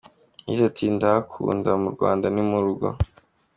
Yagize ati “Ndahakunda mu Rwanda, ni mu rugo.